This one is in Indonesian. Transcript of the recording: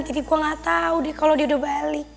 jadi gue gatau deh kalo dia udah balik